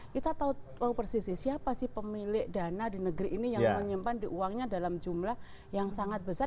kita tahu persisnya siapa sih pemilik dana di negeri ini yang menyimpan di uangnya dalam jumlah yang sangat besar